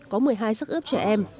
có một mươi hai sắc ướp trẻ em